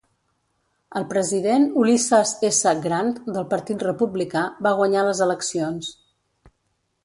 El president Ulysses S. Grant, del partit republicà, va guanyar les eleccions.